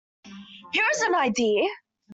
Here is an idea!